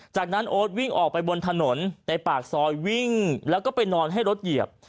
จากนั้นโอ๊ตวิ่งออกไปบนถนนในปากซอยวิ่งแล้วก็ไปนอนให้รถเหยียบ